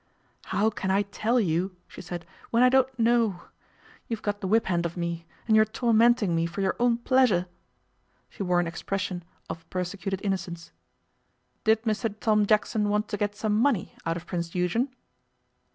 'How can I tell you,' she said, 'when I don't know? You've got the whip hand of me, and you're tormenting me for your own pleasure.' She wore an expression of persecuted innocence. 'Did Mr Tom Jackson want to get some money out of Prince Eugen?